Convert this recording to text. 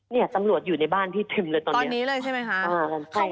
เนี่ยตำรวจอยู่ในบ้านพี่เต็มเลยตอนนี้เลยใช่ไหมคะ